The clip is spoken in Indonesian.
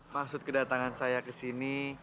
maksud kedatangan saya kesini